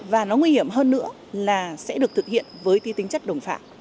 và nó nguy hiểm hơn nữa là sẽ được thực hiện với ti tính chất đồng phạm